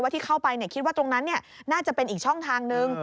ที่เข้าไปคิดว่าตรงนั้นน่าจะเป็นอีกช่องทางนึง